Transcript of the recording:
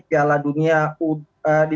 seperti polandia republik tekoslova dan lain lain